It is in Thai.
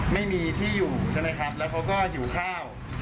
ไม่มีที่อยู่ใช่ไหมครับแล้วเขาก็หิวข้าว